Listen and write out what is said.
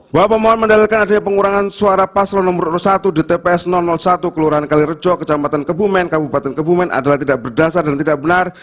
bahwa pemohon mendalilkan adanya pengurangan suara paslon nomor satu di tps satu kelurahan kalirejo kecamatan kebumen kabupaten kebumen adalah tidak berdasar dan tidak benar